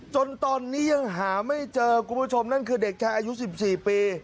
จนตอนนี้ยังหาไม่เจอคุณผู้ชมนั่นคือเด็กชายอายุ๑๔ปี